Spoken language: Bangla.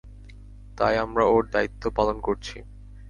তাই, আমরা ওর দায়িত্ব পালন করছি।